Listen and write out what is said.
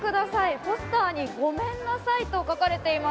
ポスターに「ごめんなさい」と書かれています。